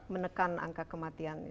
menekan angka kematian